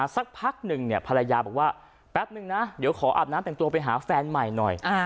สักพักหนึ่งเนี่ยภรรยาบอกว่าแป๊บนึงนะเดี๋ยวขออาบน้ำแต่งตัวไปหาแฟนใหม่หน่อย